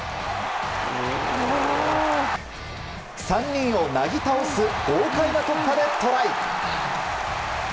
３人をなぎ倒す豪快な突破でトライ。